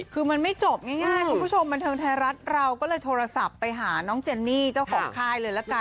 คือมันไม่จบง่ายคุณผู้ชมบันเทิงไทยรัฐเราก็เลยโทรศัพท์ไปหาน้องเจนนี่เจ้าของค่ายเลยละกัน